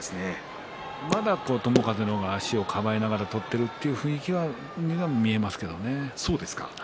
まだ友風の方が足をかばいながら取っているという雰囲気には見えますね。